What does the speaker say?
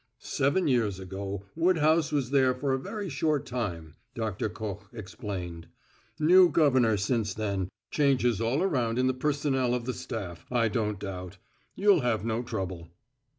"Seven years ago Woodhouse was there for a very short time," Doctor Koch explained. "New governor since then changes all around in the personnel of the staff, I don't doubt. You'll have no trouble."